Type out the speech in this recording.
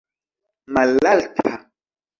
malalta